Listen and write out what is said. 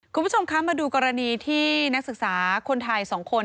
คุณผู้ชมคะมาดูกรณีที่นักศึกษาคนไทย๒คน